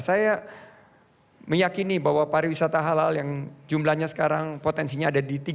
saya meyakini bahwa pariwisata halal yang jumlahnya sekarang potensinya ada di tiga puluh